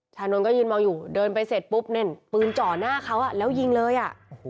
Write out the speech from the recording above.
นนท์ก็ยืนมองอยู่เดินไปเสร็จปุ๊บนั่นปืนจ่อหน้าเขาแล้วยิงเลยอ่ะ